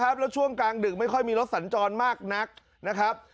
แล้วช่วงกลางดึกไม่ค่อยมีรถสัญจรมากนักนะครับ